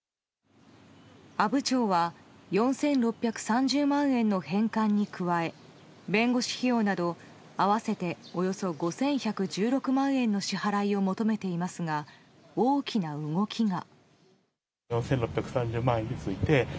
阿武町は４６３０万円の返還に加え弁護士費用など合わせておよそ５１１６万円の支払いを求めていますが大きな動きが。